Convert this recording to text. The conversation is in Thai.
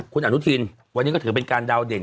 คุณอนุทินวันนี้ก็ถือเป็นการดาวเด่น